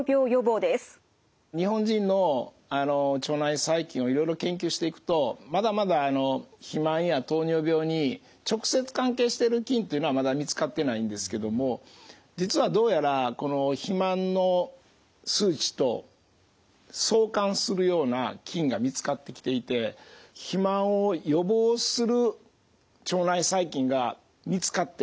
日本人の腸内細菌をいろいろ研究していくとまだまだ肥満や糖尿病に直接関係してる菌というのはまだ見つかってないんですけども実はどうやらこの肥満の数値と相関するような菌が見つかってきていて肥満を予防する腸内細菌が見つかって。